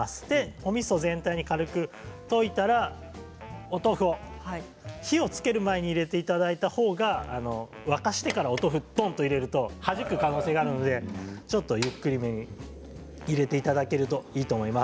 おみそを全体に軽く溶いたらお豆腐、火をつける前に入れていただいたほうが、沸かしてからお豆腐をドンと入れるとはじく可能性があるのでちょっとゆっくりめに入れていただけるといいと思います。